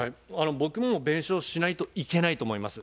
僕も弁償しないといけないと思います。